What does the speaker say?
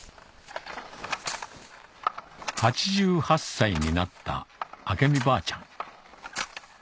８８歳になった明美ばあちゃん